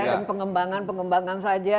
dan pengembangan pengembangan saja